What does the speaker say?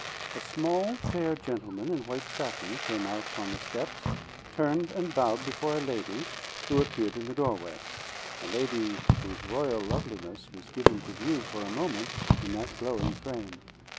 A small, fair gentleman in white satin came out upon the steps, turned and bowed before a lady who appeared in the doorway, a lady whose royal loveliness was given to view for a moment in that glowing frame.